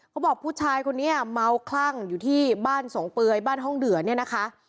ผู้ชายคนนี้เมาคลั่งอยู่ที่บ้านสงเปลือยบ้านห้องเดือเนี่ยนะคะ